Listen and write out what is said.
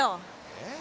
えっ？